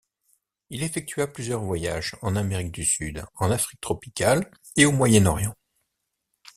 Il effectua plusieurs voyages en Amérique du Sud, en Afrique tropicale et au Moyen-Orient.